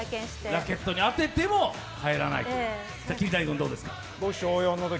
ラケットに当てても返せないんだなと。